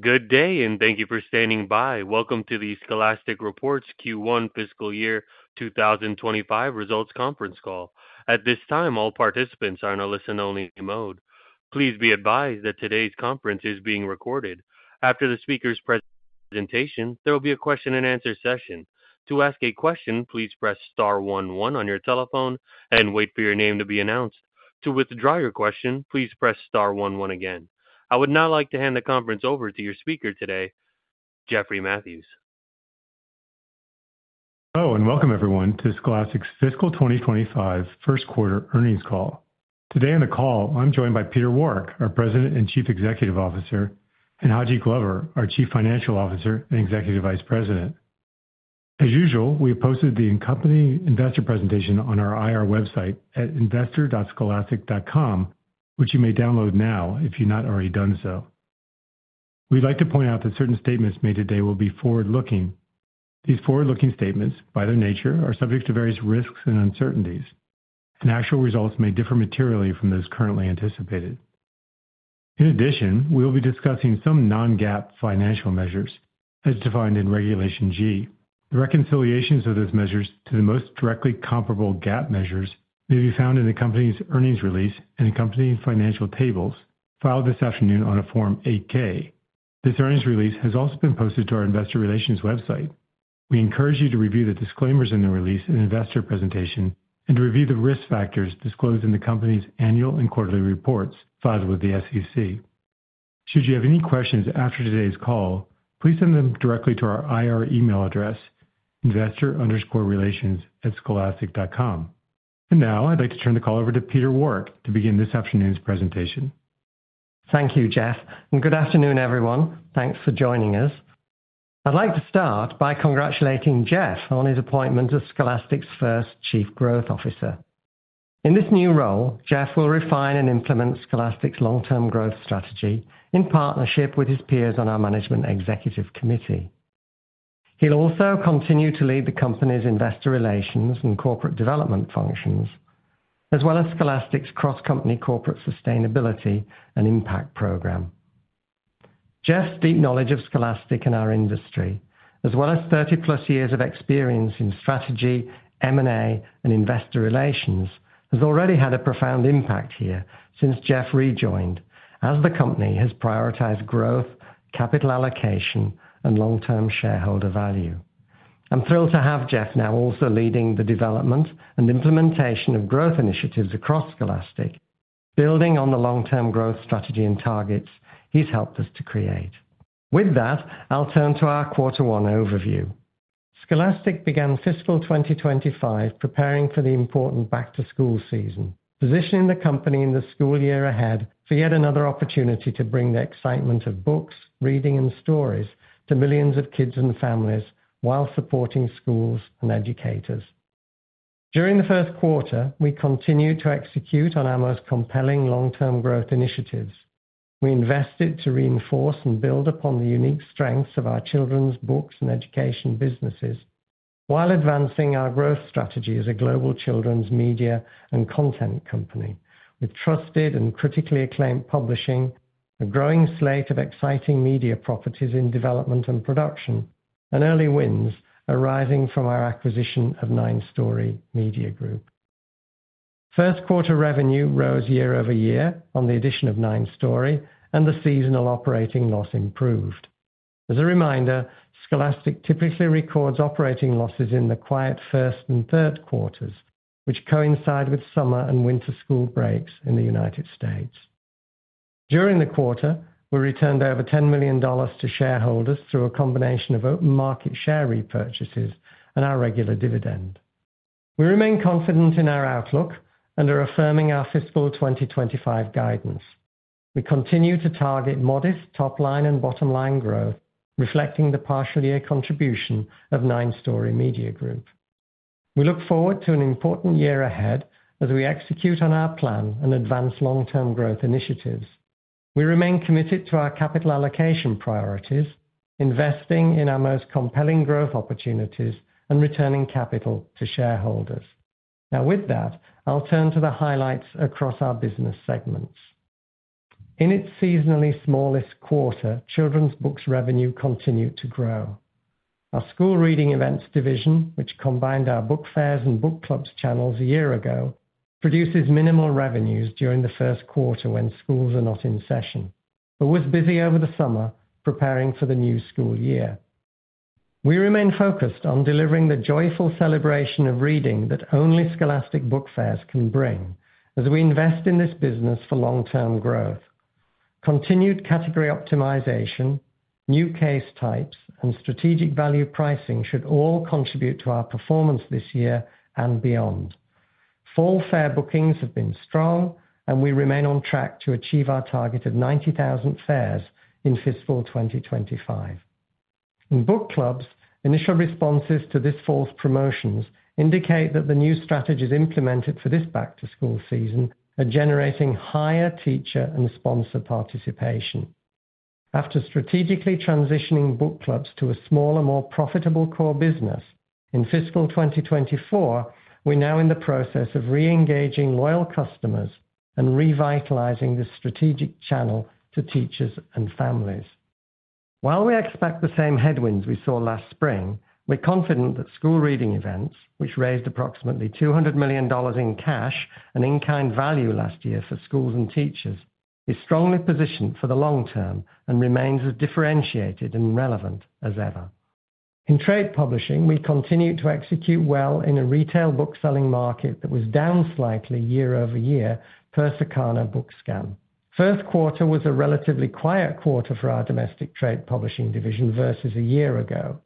Good day, and thank you for standing by. Welcome to the Scholastic Reports Q1 Fiscal Year two thousand and twenty-five Results Conference Call. At this time, all participants are in a listen-only mode. Please be advised that today's conference is being recorded. After the speakers' presentation, there will be a question-and-answer session. To ask a question, please press star one one on your telephone and wait for your name to be announced. To withdraw your question, please press star one one again. I would now like to hand the conference over to your speaker today, Jeffrey Mathews. Hello, and welcome everyone to Scholastic's Fiscal 2025 first quarter earnings call. Today on the call, I'm joined by Peter Warwick, our President and Chief Executive Officer, and Haji Glover, our Chief Financial Officer and Executive Vice President. As usual, we have posted the company investor presentation on our IR website at investor.scholastic.com, which you may download now if you've not already done so. We'd like to point out that certain statements made today will be forward-looking. These forward-looking statements, by their nature, are subject to various risks and uncertainties, and actual results may differ materially from those currently anticipated. In addition, we will be discussing some non-GAAP financial measures as defined in Regulation G. The reconciliations of those measures to the most directly comparable GAAP measures may be found in the company's earnings release and accompanying financial tables filed this afternoon on a Form 8-K. This earnings release has also been posted to our investor relations website. We encourage you to review the disclaimers in the release and investor presentation and to review the risk factors disclosed in the company's annual and quarterly reports filed with the SEC. Should you have any questions after today's call, please send them directly to our IR email address, investor_relations@scholastic.com. And now, I'd like to turn the call over to Peter Warwick to begin this afternoon's presentation. Thank you, Jeff, and good afternoon, everyone. Thanks for joining us. I'd like to start by congratulating Jeff on his appointment as Scholastic's first Chief Growth Officer. In this new role, Jeff will refine and implement Scholastic's long-term growth strategy in partnership with his peers on our Management Executive Committee. He'll also continue to lead the company's investor relations and corporate development functions, as well as Scholastic's cross-company corporate sustainability and impact program. Jeff's deep knowledge of Scholastic and our industry, as well as thirty-plus years of experience in strategy, M&A, and investor relations, has already had a profound impact here since Jeff rejoined, as the company has prioritized growth, capital allocation, and long-term shareholder value. I'm thrilled to have Jeff now also leading the development and implementation of growth initiatives across Scholastic, building on the long-term growth strategy and targets he's helped us to create. With that, I'll turn to our Quarter One overview. Scholastic began fiscal twenty twenty-five preparing for the important back-to-school season, positioning the company in the school year ahead for yet another opportunity to bring the excitement of books, reading, and stories to millions of kids and families while supporting schools and educators. During the first quarter, we continued to execute on our most compelling long-term growth initiatives. We invested to reinforce and build upon the unique strengths of our children's books and education businesses while advancing our growth strategy as a global children's media and content company, with trusted and critically acclaimed publishing, a growing slate of exciting media properties in development and production, and early wins arising from our acquisition of 9 Story Media Group. First quarter revenue rose year over year on the addition of 9 Story, and the seasonal operating loss improved. As a reminder, Scholastic typically records operating losses in the quiet first and third quarters, which coincide with summer and winter school breaks in the United States. During the quarter, we returned over $10 million to shareholders through a combination of open market share repurchases and our regular dividend. We remain confident in our outlook and are affirming our fiscal twenty twenty-five guidance. We continue to target modest top-line and bottom-line growth, reflecting the partial year contribution of 9 Story Media Group. We look forward to an important year ahead as we execute on our plan and advance long-term growth initiatives. We remain committed to our capital allocation priorities, investing in our most compelling growth opportunities, and returning capital to shareholders. Now, with that, I'll turn to the highlights across our business segments. In its seasonally smallest quarter, Children's Books revenue continued to grow. Our School Reading Events division, which combined our Book Fairs and Book Clubs channels a year ago, produces minimal revenues during the first quarter when schools are not in session, but was busy over the summer preparing for the new school year. We remain focused on delivering the joyful celebration of reading that only Scholastic Book Fairs can bring, as we invest in this business for long-term growth. Continued category optimization, new case types, and strategic value pricing should all contribute to our performance this year and beyond. Fall fair bookings have been strong, and we remain on track to achieve our target of 90,000 fairs in fiscal 2025. In Book Clubs, initial responses to this fall's promotions indicate that the new strategies implemented for this back-to-school season are generating higher teacher and sponsor participation. After strategically transitioning Book Clubs to a smaller, more profitable core business...... In fiscal 2024, we're now in the process of reengaging loyal customers and revitalizing this strategic channel to teachers and families. While we expect the same headwinds we saw last spring, we're confident that school reading events, which raised approximately $200 million in cash and in-kind value last year for schools and teachers, is strongly positioned for the long term and remains as differentiated and relevant as ever. In trade publishing, we continued to execute well in a retail book-selling market that was down slightly year-over-year per Circana BookScan. First quarter was a relatively quiet quarter for our domestic trade publishing division versus a year ago,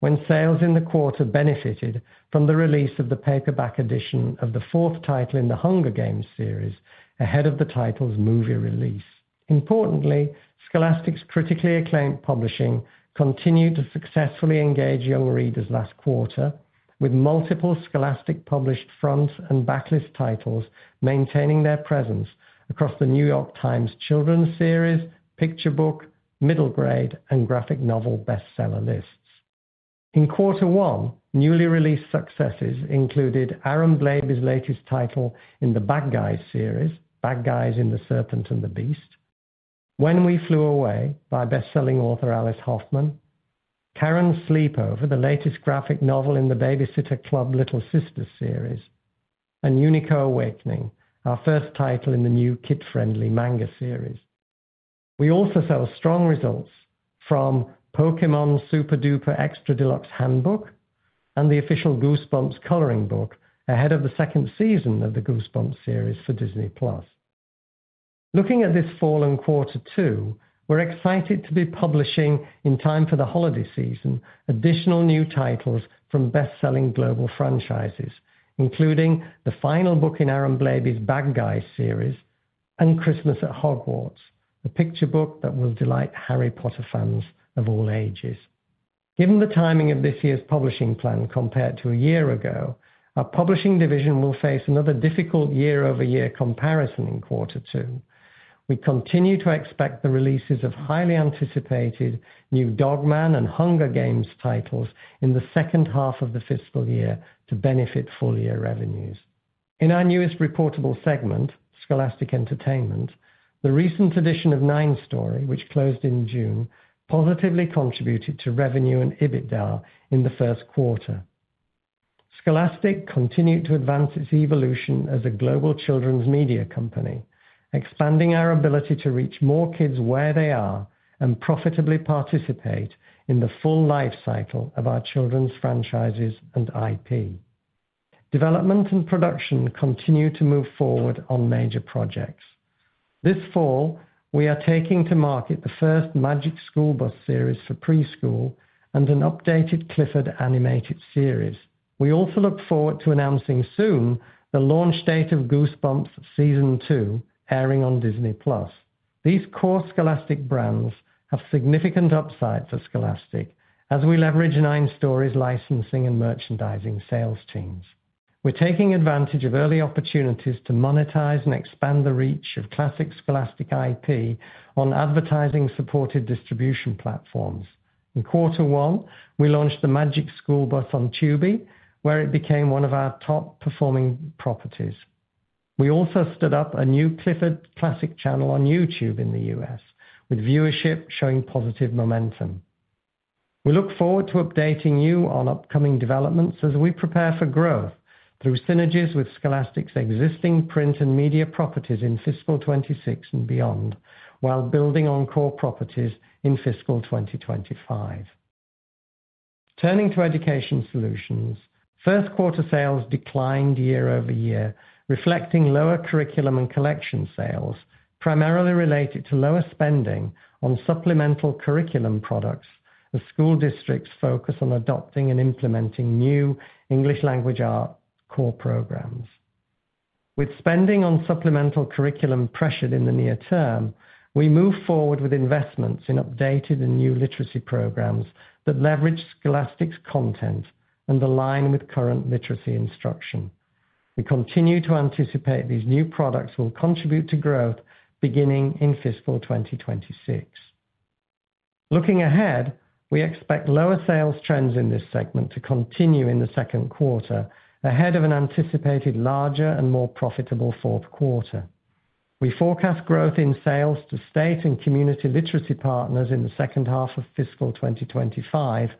when sales in the quarter benefited from the release of the paperback edition of the fourth title in The Hunger Games series, ahead of the title's movie release. Importantly, Scholastic's critically acclaimed publishing continued to successfully engage young readers last quarter, with multiple Scholastic-published frontlist and backlist titles maintaining their presence across the New York Times children's series, Picture Book, Middle Grade, and Graphic Novel bestseller lists. In quarter one, newly released successes included Aaron Blabey's latest title in the Bad Guys series, The Bad Guys in The Serpent and the Beast, When We Flew Away, by best-selling author Alice Hoffman, Karen's Sleepover, the latest graphic novel in the Baby-Sitters Club Little Sisters series, and Unico: Awakening, our first title in the new kid-friendly manga series. We also saw strong results from Pokémon Super Extra Deluxe Essential Handbook and The Official Goosebumps Coloring Book, ahead of the second season of the Goosebumps series for Disney+. Looking at this fall, in quarter two, we're excited to be publishing, in time for the holiday season, additional new titles from best-selling global franchises, including the final book in Aaron Blabey's Bad Guys series and Christmas at Hogwarts, a picture book that will delight Harry Potter fans of all ages. Given the timing of this year's publishing plan, compared to a year ago, our publishing division will face another difficult year-over-year comparison in quarter two. We continue to expect the releases of highly anticipated new Dog Man and Hunger Games titles in the second half of the fiscal year to benefit full-year revenues. In our newest reportable segment, Scholastic Entertainment, the recent addition of 9 Story, which closed in June, positively contributed to revenue and EBITDA in the first quarter. Scholastic continued to advance its evolution as a global children's media company, expanding our ability to reach more kids where they are and profitably participate in the full life cycle of our children's franchises and IP. Development and production continue to move forward on major projects. This fall, we are taking to market the first Magic School Bus series for preschool and an updated Clifford animated series. We also look forward to announcing soon the launch date of Goosebumps Season Two, airing on Disney+. These core Scholastic brands have significant upsides for Scholastic as we leverage 9 Story's, licensing and merchandising sales teams. We're taking advantage of early opportunities to monetize and expand the reach of classic Scholastic IP on advertising-supported distribution platforms. In quarter one, we launched The Magic School Bus on Tubi, where it became one of our top-performing properties. We also stood up a new Clifford Classic channel on YouTube in the U.S., with viewership showing positive momentum. We look forward to updating you on upcoming developments as we prepare for growth through synergies with Scholastic's existing print and media properties in fiscal 2026 and beyond, while building on core properties in fiscal 2025. Turning to Education Solutions, first quarter sales declined year-over-year, reflecting lower curriculum and collection sales, primarily related to lower spending on supplemental curriculum products as school districts focus on adopting and implementing new English Language Arts core programs. With spending on supplemental curriculum pressured in the near term, we move forward with investments in updated and new literacy programs that leverage Scholastic's content and align with current literacy instruction. We continue to anticipate these new products will contribute to growth beginning in fiscal 2026. Looking ahead, we expect lower sales trends in this segment to continue in the second quarter, ahead of an anticipated larger and more profitable fourth quarter. We forecast growth in sales to state and community literacy partners in the second half of fiscal 2025,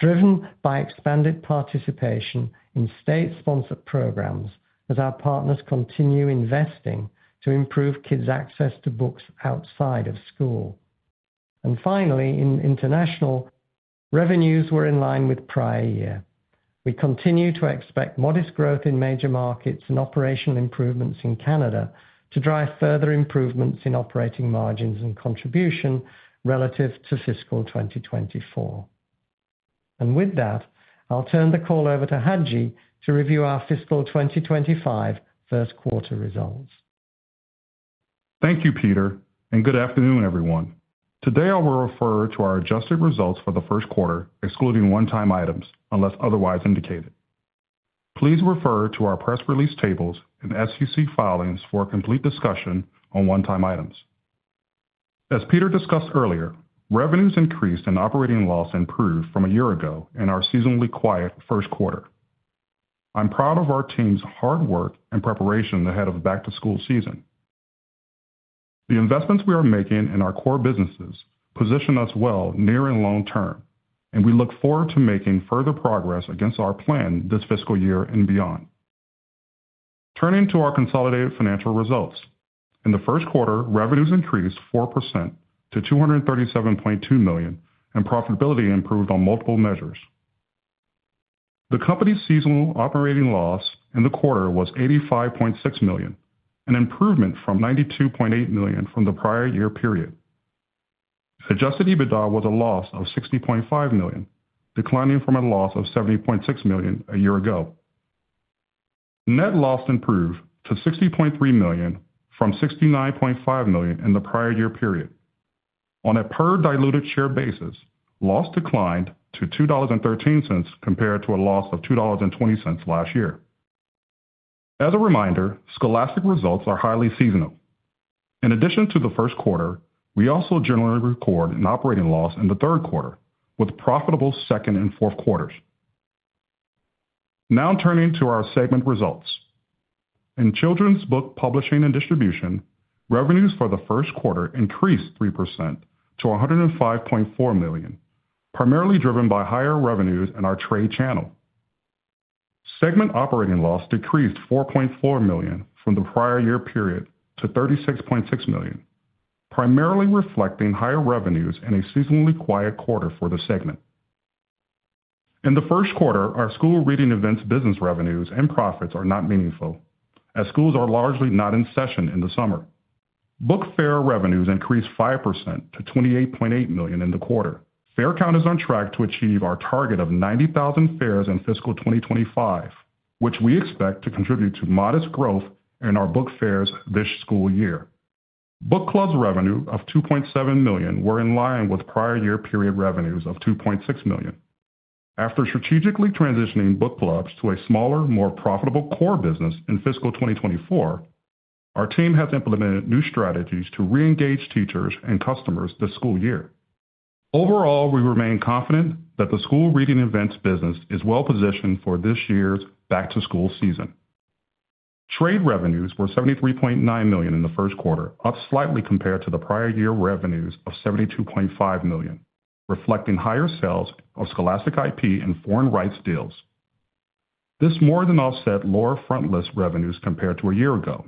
driven by expanded participation in state-sponsored programs as our partners continue investing to improve kids' access to books outside of school. And finally, in International, revenues were in line with prior year. We continue to expect modest growth in major markets and operational improvements in Canada to drive further improvements in operating margins and contribution relative to fiscal 2024. And with that, I'll turn the call over to Haji to review our fiscal 2025 first quarter results. Thank you, Peter, and good afternoon, everyone. Today, I will refer to our adjusted results for the first quarter, excluding one-time items, unless otherwise indicated. Please refer to our press release tables and SEC filings for a complete discussion on one-time items. As Peter discussed earlier, revenues increased and operating loss improved from a year ago in our seasonally quiet first quarter. I'm proud of our team's hard work and preparation ahead of the back-to-school season. The investments we are making in our core businesses position us well near and long term, and we look forward to making further progress against our plan this fiscal year and beyond. Turning to our consolidated financial results. In the first quarter, revenues increased 4% to $237.2 million, and profitability improved on multiple measures. The company's seasonal operating loss in the quarter was $85.6 million, an improvement from $92.8 million from the prior year period. Adjusted EBITDA was a loss of $60.5 million, declining from a loss of $70.6 million a year ago. Net loss improved to $60.3 million from $69.5 million in the prior year period. On a per diluted share basis, loss declined to $2.13, compared to a loss of $2.20 last year. As a reminder, Scholastic results are highly seasonal. In addition to the first quarter, we also generally record an operating loss in the third quarter, with profitable second and fourth quarters. Now turning to our segment results. In children's book publishing and distribution, revenues for the first quarter increased 3% to $105.4 million, primarily driven by higher revenues in our trade channel. Segment operating loss decreased $4.4 million from the prior year period to $36.6 million, primarily reflecting higher revenues in a seasonally quiet quarter for the segment. In the first quarter, our school reading events business revenues and profits are not meaningful, as schools are largely not in session in the summer. Book fair revenues increased 5% to $28.8 million in the quarter. Fair count is on track to achieve our target of 90,000 fairs in fiscal 2025, which we expect to contribute to modest growth in our book fairs this school year. Book Clubs revenue of $2.7 million were in line with prior year period revenues of $2.6 million. After strategically transitioning Book Clubs to a smaller, more profitable core business in fiscal 2024, our team has implemented new strategies to reengage teachers and customers this school year. Overall, we remain confident that the school reading events business is well positioned for this year's back-to-school season. Trade revenues were $73.9 million in the first quarter, up slightly compared to the prior year revenues of $72.5 million, reflecting higher sales of Scholastic IP and foreign rights deals. This more than offset lower frontlist revenues compared to a year ago,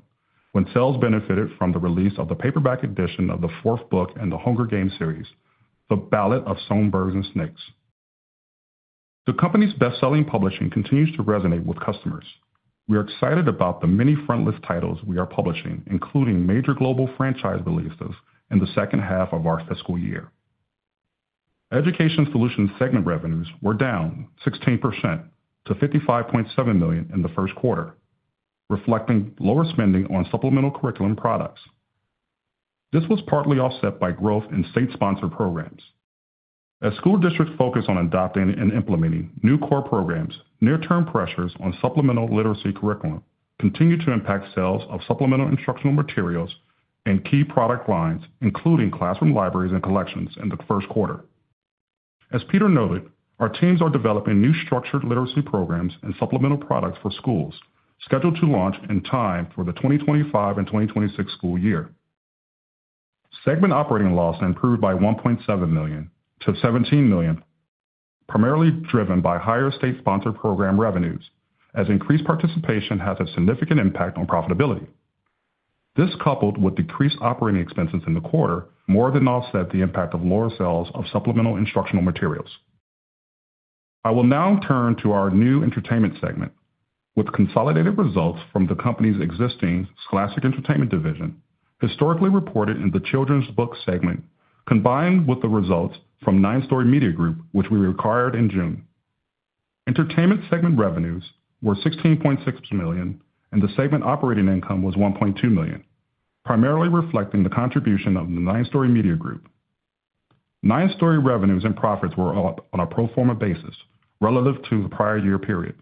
when sales benefited from the release of the paperback edition of the fourth book in The Hunger Games series, The Ballad of Songbirds and Snakes. The company's best-selling publishing continues to resonate with customers. We are excited about the many frontlist titles we are publishing, including major global franchise releases in the second half of our fiscal year. Education Solutions segment revenues were down 16% to $55.7 million in the first quarter, reflecting lower spending on supplemental curriculum products. This was partly offset by growth in state-sponsored programs. As school districts focus on adopting and implementing new core programs, near-term pressures on supplemental literacy curriculum continue to impact sales of supplemental instructional materials and key product lines, including classroom libraries and collections in the first quarter. As Peter noted, our teams are developing new structured literacy programs and supplemental products for schools, scheduled to launch in time for the 2025 and 2026 school year. Segment operating loss improved by $1.7 million to $17 million, primarily driven by higher state-sponsored program revenues, as increased participation has a significant impact on profitability. This, coupled with decreased operating expenses in the quarter, more than offset the impact of lower sales of supplemental instructional materials. I will now turn to our new entertainment segment, with consolidated results from the company's existing Scholastic Entertainment division, historically reported in the children's book segment, combined with the results from 9 Story Media Group, which we acquired in June. Entertainment segment revenues were $16.6 million, and the segment operating income was $1.2 million, primarily reflecting the contribution of the 9 Story Media Group. 9 Story revenues and profits were up on a pro forma basis relative to the prior year period.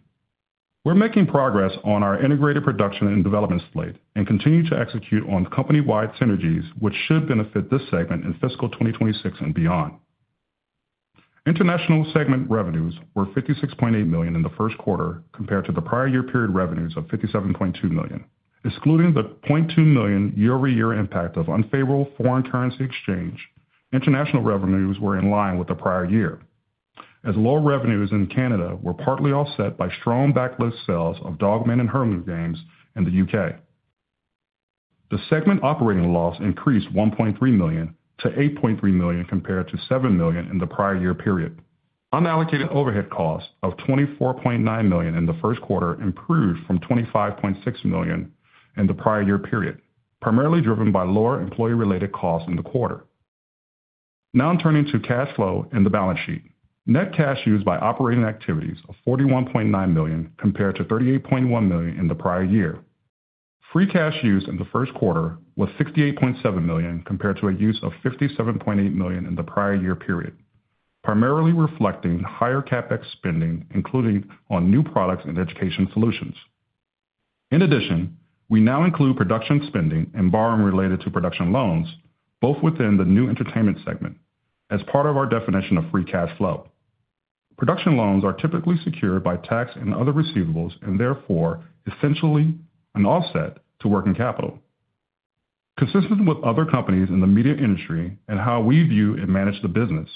We're making progress on our integrated production and development slate and continue to execute on company-wide synergies, which should benefit this segment in fiscal 2026 and beyond. International segment revenues were $56.8 million in the first quarter compared to the prior year period revenues of $57.2 million. Excluding the $0.2 million year-over-year impact of unfavorable foreign currency exchange, international revenues were in line with the prior year, as low revenues in Canada were partly offset by strong backlist sales of Dog Man and Hunger Games in the U.K. The segment operating loss increased $1.3 million to $8.3 million, compared to $7 million in the prior year period. Unallocated overhead costs of $24.9 million in the first quarter improved from $25.6 million in the prior year period, primarily driven by lower employee-related costs in the quarter. Now turning to cash flow and the balance sheet. Net cash used by operating activities of $41.9 million, compared to $38.1 million in the prior year. Free cash used in the first quarter was $68.7 million, compared to a use of $57.8 million in the prior year period, primarily reflecting higher CapEx spending, including on new products and education solutions.... In addition, we now include production spending and borrowing related to production loans, both within the new entertainment segment, as part of our definition of free cash flow. Production loans are typically secured by tax and other receivables, and therefore, essentially an offset to working capital. Consistent with other companies in the media industry and how we view and manage the business,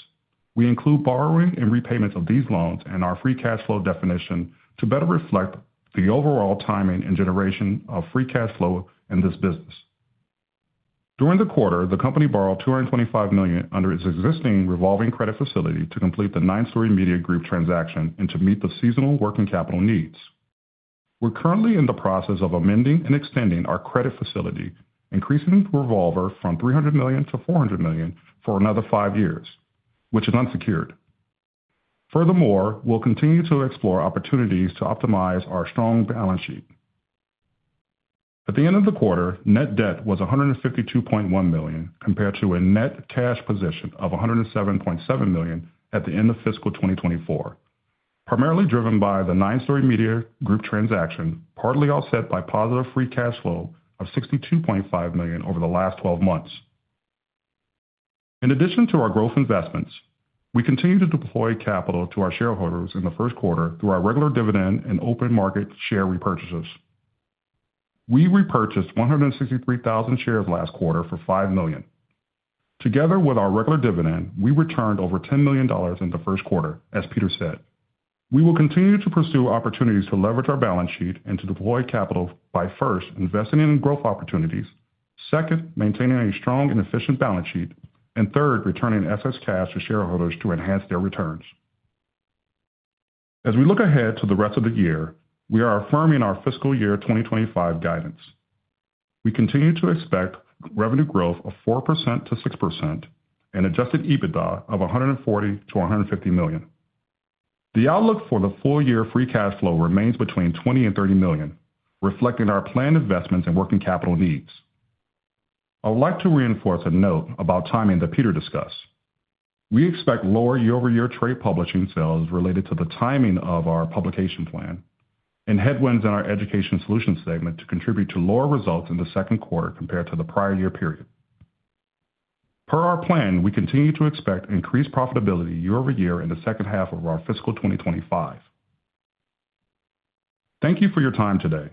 we include borrowing and repayments of these loans and our free cash flow definition to better reflect the overall timing and generation of free cash flow in this business. During the quarter, the company borrowed $225 million under its existing revolving credit facility to complete the 9 Story Media Group transaction and to meet the seasonal working capital needs. We're currently in the process of amending and extending our credit facility, increasing the revolver from $300 million to $400 million for another five years, which is unsecured. Furthermore, we'll continue to explore opportunities to optimize our strong balance sheet. At the end of the quarter, net debt was $152.1 million, compared to a net cash position of $107.7 million at the end of fiscal 2024, primarily driven by the 9 Story Media Group transaction, partly offset by positive free cash flow of $62.5 million over the last twelve months. In addition to our growth investments, we continue to deploy capital to our shareholders in the first quarter through our regular dividend and open market share repurchases. We repurchased 163,000 shares last quarter for $5 million. Together with our regular dividend, we returned over $10 million in the first quarter, as Peter said. We will continue to pursue opportunities to leverage our balance sheet and to deploy capital by, first, investing in growth opportunities, second, maintaining a strong and efficient balance sheet, and third, returning excess cash to shareholders to enhance their returns. As we look ahead to the rest of the year, we are affirming our fiscal year 2025 guidance. We continue to expect revenue growth of 4%-6% and Adjusted EBITDA of $140-$150 million. The outlook for the full year Free Cash Flow remains between $20 and $30 million, reflecting our planned investments and working capital needs. I would like to reinforce a note about timing that Peter discussed. We expect lower year-over-year Trade Publishing sales related to the timing of our publication plan and headwinds in our Education Solutions segment to contribute to lower results in the second quarter compared to the prior year period. Per our plan, we continue to expect increased profitability year over year in the second half of our fiscal 2025. Thank you for your time today.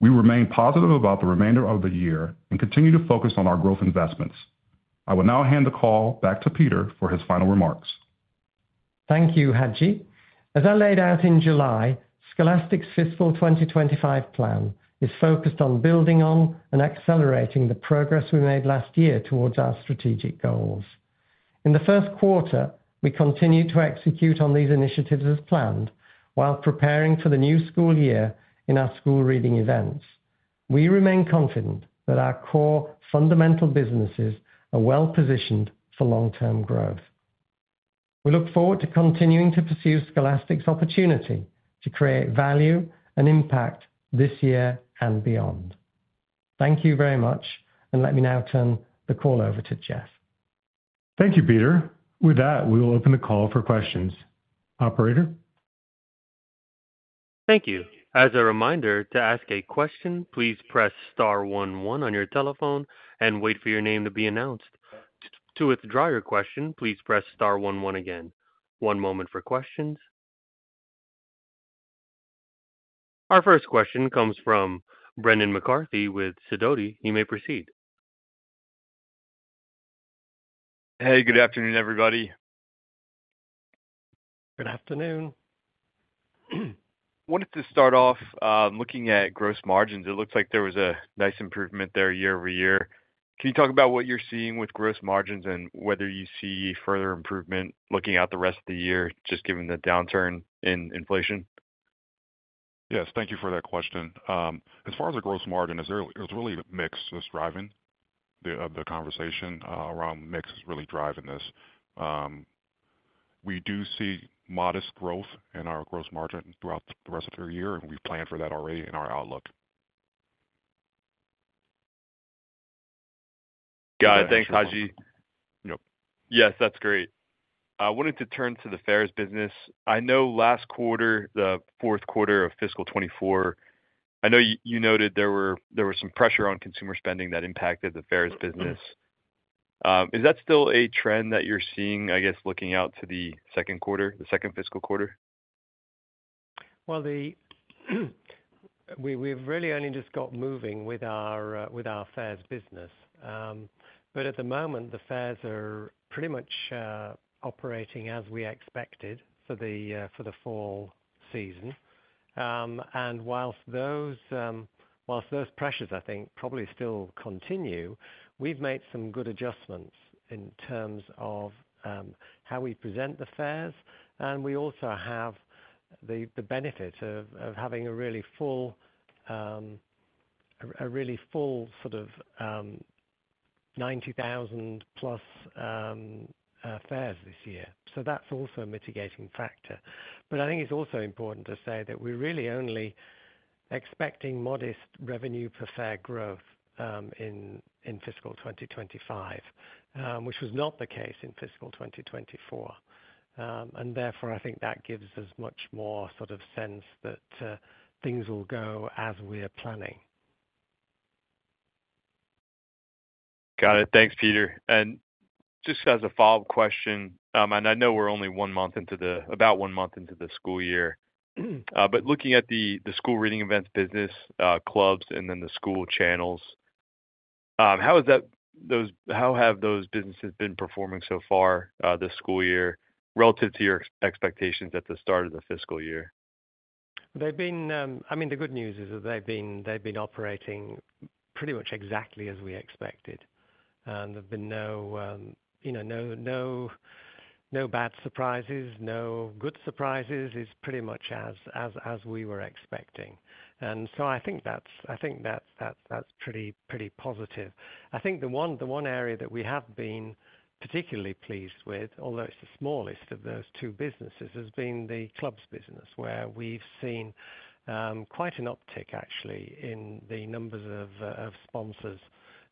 We remain positive about the remainder of the year and continue to focus on our growth investments. I will now hand the call back to Peter for his final remarks. Thank you, Haji. As I laid out in July, Scholastic's fiscal 2025 plan is focused on building on and accelerating the progress we made last year towards our strategic goals. In the first quarter, we continued to execute on these initiatives as planned while preparing for the new school year in our school reading events. We remain confident that our core fundamental businesses are well positioned for long-term growth. We look forward to continuing to pursue Scholastic's opportunity to create value and impact this year and beyond. Thank you very much, and let me now turn the call over to Jeff. Thank you, Peter. With that, we will open the call for questions. Operator? Thank you. As a reminder, to ask a question, please press star one one on your telephone and wait for your name to be announced. To withdraw your question, please press star one one again. One moment for questions. Our first question comes from Brendan McCarthy with Sidoti. You may proceed. Hey, good afternoon, everybody. Good afternoon. Wanted to start off, looking at gross margins. It looks like there was a nice improvement there year over year. Can you talk about what you're seeing with gross margins and whether you see further improvement looking out the rest of the year, just given the downturn in inflation? Yes, thank you for that question. As far as the gross margin, it's really mix that's driving this. We do see modest growth in our gross margin throughout the rest of the year, and we've planned for that already in our outlook. Got it. Thanks, Haji. Yep. Yes, that's great. I wanted to turn to the fairs business. I know last quarter, the fourth quarter of fiscal 2024, I know you noted there were some pressure on consumer spending that impacted the fairs business. Is that still a trend that you're seeing, I guess, looking out to the second quarter, the second fiscal quarter? We've really only just got moving with our fairs business. At the moment, the fairs are pretty much operating as we expected for the fall season. While those pressures, I think, probably still continue, we've made some good adjustments in terms of how we present the fairs, and we also have the benefit of having a really full sort of 90,000-plus fairs this year. So that's also a mitigating factor. I think it's also important to say that we're really only expecting modest revenue per fair growth in fiscal 2025, which was not the case in fiscal 2024. And therefore, I think that gives us much more sort of sense that things will go as we are planning. Got it. Thanks, Peter. And just as a follow-up question, and I know we're only one month into about one month into the school year. But looking at the school reading events, business, clubs, and then the school channels, how have those businesses been performing so far, this school year relative to your expectations at the start of the fiscal year? They've been. I mean, the good news is that they've been operating pretty much exactly as we expected, and there've been no, you know, no bad surprises, no good surprises. It's pretty much as we were expecting, and so I think that's pretty positive. I think the one area that we have been particularly pleased with, although it's the smallest of those two businesses, has been the clubs business, where we've seen quite an uptick actually, in the numbers of sponsors,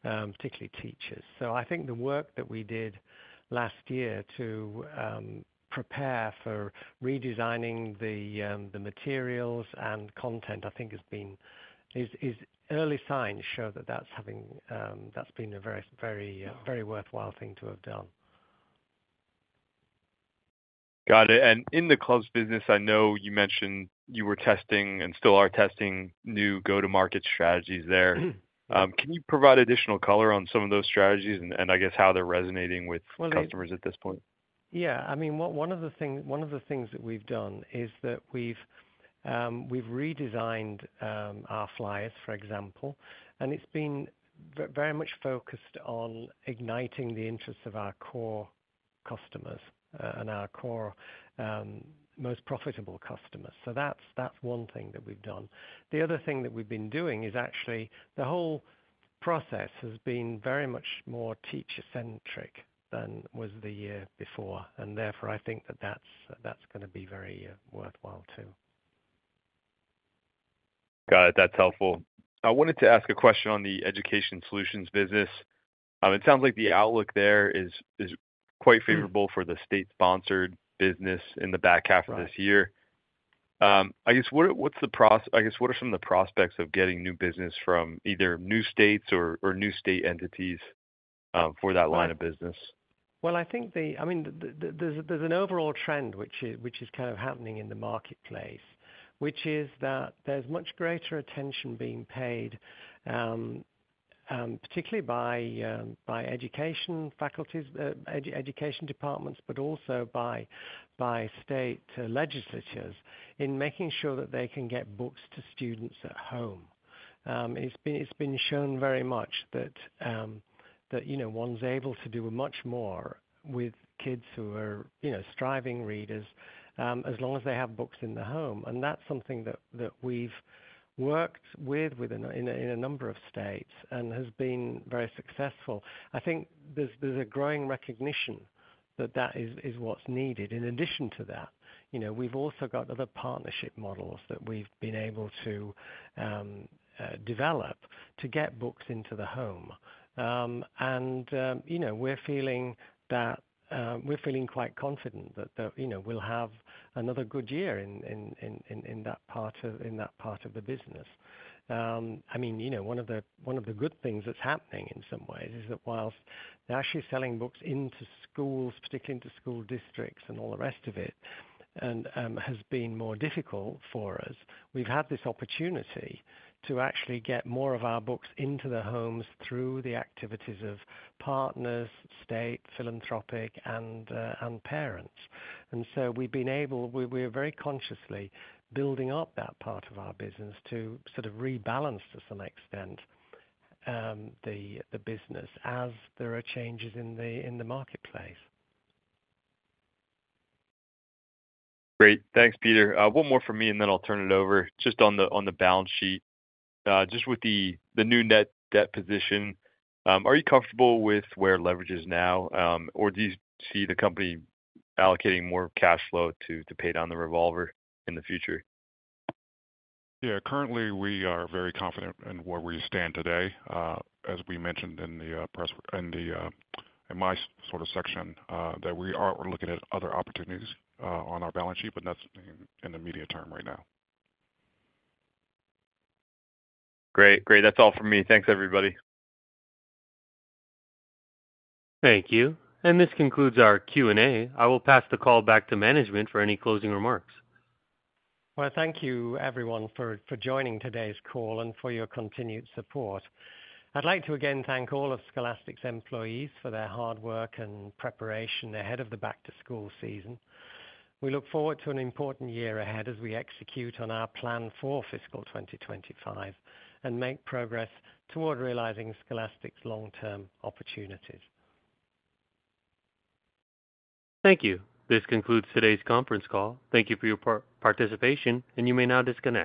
particularly teachers. So I think the work that we did last year to prepare for redesigning the materials and content, I think has been. Early signs show that that's having, that's been a very worthwhile thing to have done. Got it. And in the clubs business, I know you mentioned you were testing and still are testing new go-to-market strategies there. Mm-hmm. Can you provide additional color on some of those strategies, and I guess how they're resonating with- Well, the- Customers at this point? Yeah. I mean, one of the things that we've done is that we've redesigned our flyers, for example, and it's been very much focused on igniting the interests of our core customers, and our core, most profitable customers. So that's one thing that we've done. The other thing that we've been doing is actually the whole process has been very much more teacher-centric than was the year before, and therefore, I think that that's gonna be very worthwhile, too. Got it. That's helpful. I wanted to ask a question on the Education Solutions business. It sounds like the outlook there is quite favorable- Mm. for the state-sponsored business in the back half of this year. Right. I guess, what are some of the prospects of getting new business from either new states or new state entities, for that line of business? I think the I mean, there's an overall trend which is kind of happening in the marketplace, which is that there's much greater attention being paid, particularly by education faculties, by education departments, but also by state legislatures, in making sure that they can get books to students at home. It's been shown very much that, you know, one's able to do much more with kids who are, you know, striving readers, as long as they have books in the home, and that's something that we've worked with, in a number of states and has been very successful. I think there's a growing recognition that that is what's needed. In addition to that, you know, we've also got other partnership models that we've been able to develop to get books into the home. And, you know, we're feeling quite confident that the, you know, we'll have another good year in that part of the business. I mean, you know, one of the good things that's happening in some ways is that whilst they're actually selling books into schools, particularly into school districts and all the rest of it, and has been more difficult for us. We've had this opportunity to actually get more of our books into the homes through the activities of partners, state, philanthropic, and parents. And so we've been able... We're very consciously building up that part of our business to sort of rebalance to some extent the business as there are changes in the marketplace. Great! Thanks, Peter. One more from me, and then I'll turn it over. Just on the balance sheet. Just with the new net debt position, are you comfortable with where leverage is now? Or do you see the company allocating more cash flow to pay down the revolver in the future? Yeah. Currently, we are very confident in where we stand today. As we mentioned in the press, in my sort of section, that we are looking at other opportunities on our balance sheet, but nothing in the immediate term right now. Great. Great, that's all for me. Thanks, everybody. Thank you, and this concludes our Q&A. I will pass the call back to management for any closing remarks. Thank you everyone for joining today's call and for your continued support. I'd like to again thank all of Scholastic's employees for their hard work and preparation ahead of the back-to-school season. We look forward to an important year ahead as we execute on our plan for fiscal 2025, and make progress toward realizing Scholastic's long-term opportunities. Thank you. This concludes today's conference call. Thank you for your participation, and you may now disconnect.